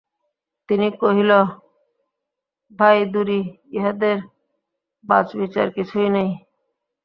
তিরি কহিল, ভাই দুরি, ইহাদের বাচবিচার কিছুই নাই।